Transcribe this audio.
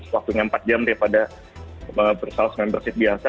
waktunya empat jam daripada saus membership biasa